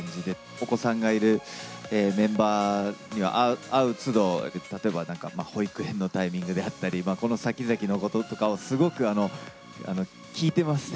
お子さんがいるメンバーには会うつど、例えばなんか、保育園のタイミングであったり、この先々のこととかをすごく聞いてますね。